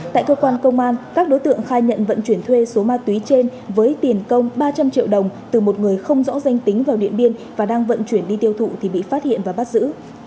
tại cơ quan công an các đối tượng khai nhận vận chuyển thuê số ma túy trên với tiền công ba trăm linh triệu đồng từ một người không rõ danh tính vào điện biên và đang vận chuyển đi tiêu thụ thì bị phát hiện và bắt giữ